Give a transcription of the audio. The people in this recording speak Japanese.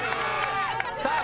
さあ